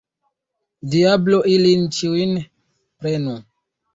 Diablo ilin ĉiujn prenu!